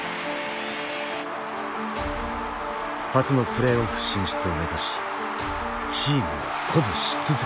初のプレーオフ進出を目指しチームを鼓舞し続けた。